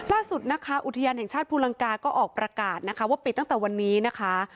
ล่าสุดนะคะอุทยานแห่งชาติภูลังกาก็ออกประกาศนะคะว่าปิดตั้งแต่วันนี้นะคะ